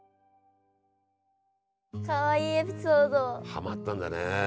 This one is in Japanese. はまったんだね。